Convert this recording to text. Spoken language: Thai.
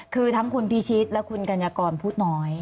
คือทั้งคุณพิชิตและคุณกัญญากรพูดน้อย